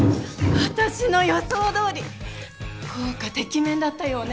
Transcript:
私の予想どおり効果てきめんだったようね。